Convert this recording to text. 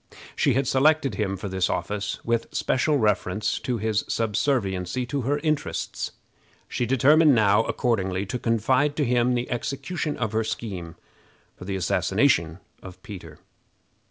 She had selected him for this office with special reference to his subserviency to her interests. She determined now, accordingly, to confide to him the execution of her scheme for the assassination of Peter.